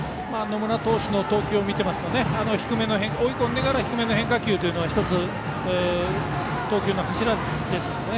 野村投手の投球を見ていますと追い込んでからの低めの変化球というのは１つ、投球の柱ですので。